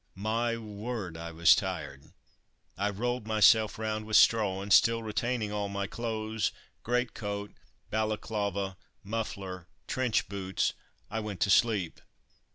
My word, I was tired! I rolled myself round with straw, and still retaining all my clothes, greatcoat, balaclava, muffler, trench boots, I went to sleep.